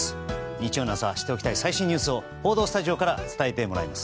日曜の朝知っておきたいニュースを報道スタジオから伝えてもらいます。